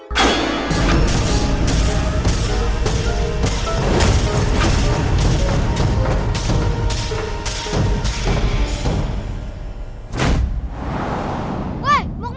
bangun bangun bangun